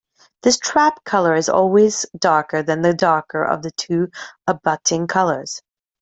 This trap color is always darker than the darker of the two abutting colors.